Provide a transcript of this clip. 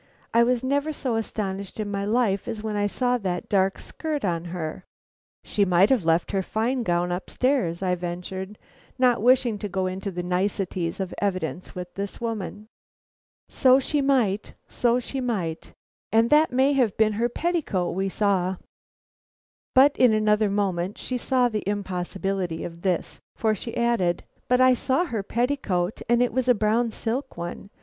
I was never so astonished in my life as when I saw that dark skirt on her." "She might have left her fine gown upstairs," I ventured, not wishing to go into the niceties of evidence with this woman. "So she might, so she might, and that may have been her petticoat we saw." But in another moment she saw the impossibility of this, for she added: "But I saw her petticoat, and it was a brown silk one.